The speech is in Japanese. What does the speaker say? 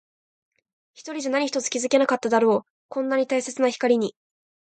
一人じゃ何一つ気づけなかっただろう。こんなに大切な光に。